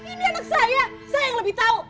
ini anak saya saya yang lebih tahu